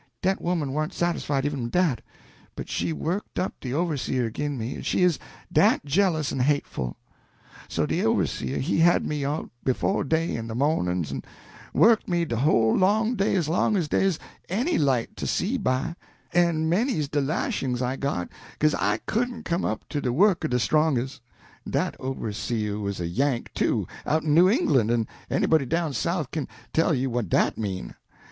Dat woman warn't satisfied even wid dat, but she worked up de overseer ag'in' me, she 'uz dat jealous en hateful; so de overseer he had me out befo' day in de mawnin's en worked me de whole long day as long as dey 'uz any light to see by; en many's de lashin's I got 'ca'se I couldn't come up to de work o' de stronges'. Dat overseer wuz a Yank, too, outen New Englan', en anybody down South kin tell you what dat mean.